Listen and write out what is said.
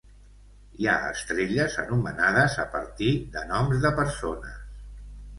Hi ha estrelles anomenades a partir de noms de persones.